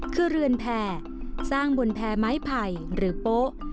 คือเรือนแผ่สร้างบนแพร่ไม้ไผ่หรือโป๊ะ